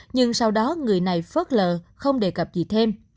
nhưng sau đó người này phớt lờ không đề cập gì thêm